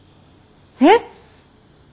えっ！